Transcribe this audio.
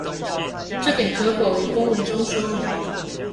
這點可否於公文中說明